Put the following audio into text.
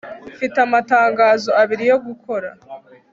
mfite amatangazo abiri yo gukora